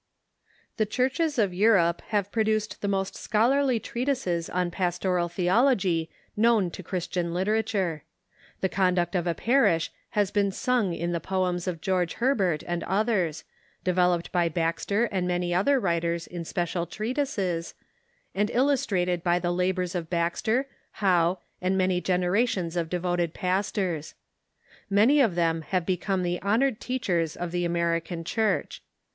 The Churches of Europe have produced the most scholarly treatises on Pastoral Theology known to Christian literature. The conduct of a parish has been sung in the poems of Theofogy George Herbert and others, developed by Baxter and many other Avriters in special treatises, and illustrated by the labors of Baxter, Howe, and many generations of de voted pastors. Many of them have become the honored teach ers of the American Church.